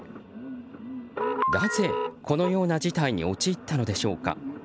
なぜ、このような事態に陥ったのでしょうか。